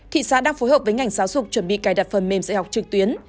thị xã đang phối hợp với ngành giáo dục chuẩn bị cài đặt phần mềm dạy học trực tuyến